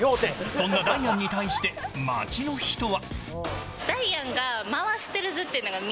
そんなダイアンに対して街の人は。